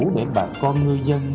để bà con ngư dân